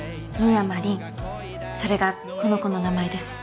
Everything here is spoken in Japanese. それがこの子の名前です。